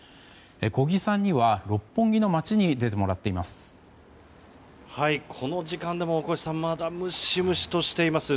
小木さんには六本木の街に出てもらっています。